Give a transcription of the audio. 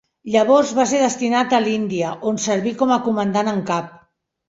Llavors, va ser destinat a l'Índia, on serví com a Comandant en Cap.